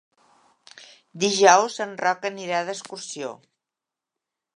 Dijous en Roc anirà d'excursió.